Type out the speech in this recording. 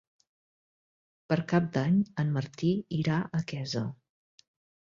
Per Cap d'Any en Martí irà a Quesa.